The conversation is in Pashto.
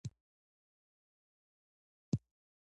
لوستونکی د ودې بلنه ترلاسه کوي.